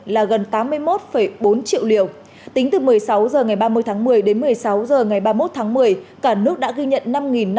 là gần tám mươi một bốn triệu liều tính từ một mươi sáu h ngày ba mươi tháng một mươi đến một mươi sáu h ngày ba mươi một tháng một mươi cả nước đã ghi nhận năm ca